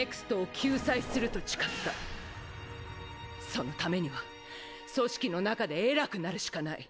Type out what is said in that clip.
そのためには組織の中で偉くなるしかない！